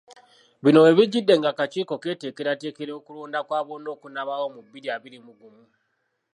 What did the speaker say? Bino webijjidde, ng'akakiiko keteekateekera okulonda kwa bonna okunaabaawo mu bbiri abiri mu gumu.